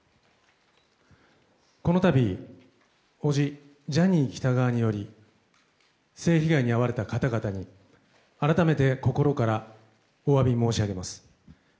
このたび叔父ジャニー喜多川により性被害に遭われた方々に改めて心からお詫び申し上げます。